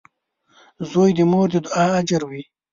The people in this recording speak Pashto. • زوی د مور د دعا اجر وي.